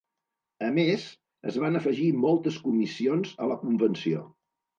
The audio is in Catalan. A més, es van afegir moltes comissions a la convenció.